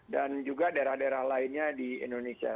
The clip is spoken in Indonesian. dan juga daerah daerah lainnya di indonesia